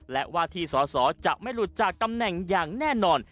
และว่าที่สอสอจะไม่หลุดจากตำแหน่งอย่างแน่นอน